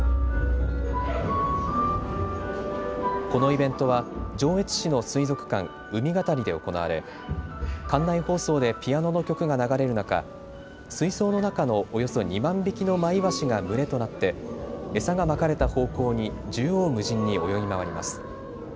このイベントは上越市の水族館、うみがたりで行われ館内放送でピアノの曲が流れる中、水槽の中のおよそ２万匹のマイワシが群れとなって餌がまかれた方向に縦横無尽に泳ぎ回ります。